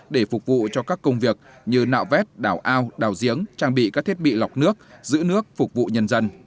để phục vụ cho các công việc như nạo vét đảo ao đào giếng trang bị các thiết bị lọc nước giữ nước phục vụ nhân dân